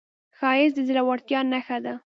ښایست د زړورتیا نښه ده